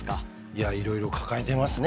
いやいろいろ抱えてますね